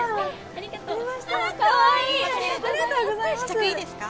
試着いいですか？